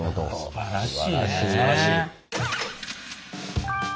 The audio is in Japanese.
すばらしいね。